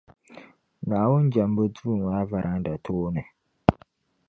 Naawuni jɛmbu duu maa varanda tooni.